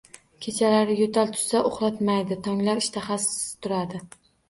Kechalari yo'tal tutsa, uxlatmaydi. Tonglar ishtaxasiz turadi.